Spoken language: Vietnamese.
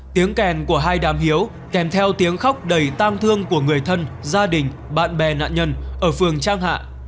tiếng kèn của hai đám hiếu kèm theo tiếng khóc đầy tam thương của người thân gia đình bạn bè nạn nhân ở phường trang hạ